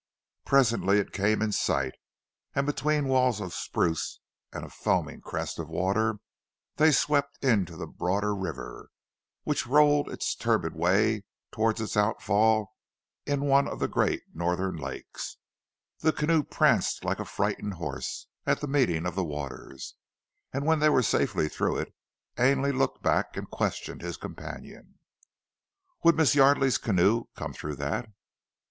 Presently it came in sight, and between walls of spruce and a foaming crest of water they swept into the broader river, which rolled its turbid way towards its outfall in one of the great Northern lakes. The canoe pranced like a frightened horse at the meeting of the waters, and when they were safely through it, Ainley looked back and questioned his companion. "Would Miss Yardely's canoe come through that?"